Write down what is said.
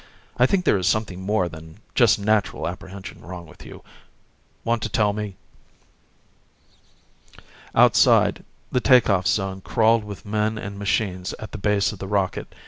I think there is something more than just natural apprehension wrong with you. Want to tell me?" Outside, the take off zone crawled with men and machines at the base of the rocket.